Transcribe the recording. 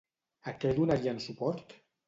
A què donarien suport?